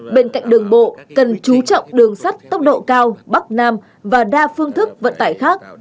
bên cạnh đường bộ cần chú trọng đường sắt tốc độ cao bắc nam và đa phương thức vận tải khác